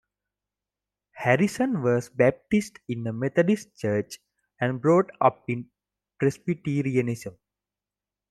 Harrison was baptised in a Methodist church and brought up in Presbyterianism.